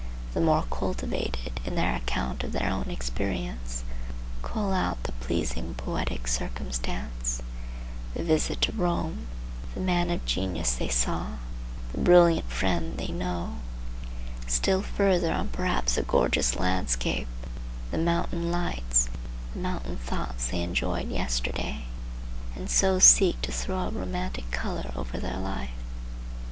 The more cultivated, in their account of their own experience, cull out the pleasing, poetic circumstance,—the visit to Rome, the man of genius they saw, the brilliant friend They know; still further on perhaps the gorgeous landscape, the mountain lights, the mountain thoughts they enjoyed yesterday,—and so seek to throw a romantic color over their life.